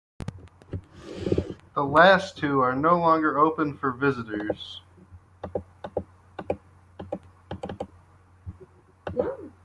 The last two are no longer open for visitors.